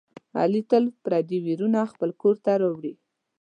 علي تل پردي ویرونه خپل کورته راوړي.